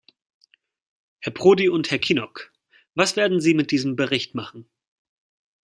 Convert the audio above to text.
Herr Prodi und Herr Kinnock, was werden Sie mit diesem Bericht machen?